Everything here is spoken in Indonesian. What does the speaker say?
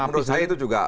menurut saya itu juga